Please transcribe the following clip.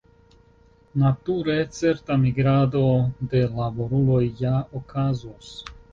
Nature, certa migrado de laboruloj ja okazos.